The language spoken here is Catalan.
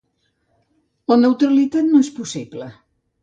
La neutralitat no és possible.